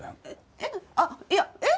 えっあっいやえっ？